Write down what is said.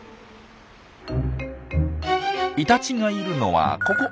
イタチがいるのはここ。